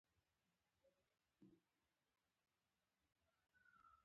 تزار پالیسي مطالعه کړې وه.